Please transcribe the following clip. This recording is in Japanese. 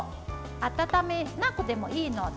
温めなくてもいいので。